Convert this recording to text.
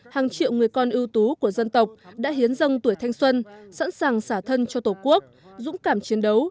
hàng triệu người con ưu tú của dân tộc đã hiến dâng tuổi thanh xuân sẵn sàng xả thân cho tổ quốc dũng cảm chiến đấu